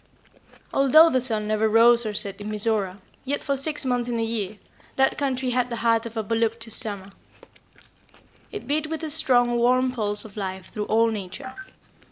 Although the sun never rose or set in Mizora, yet for six months in a year, that country had the heart of a voluptuous summer. It beat with a strong, warm pulse of life through all nature.